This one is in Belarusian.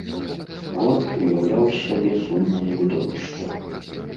Горад уяўляў з сябе сумнае відовішча.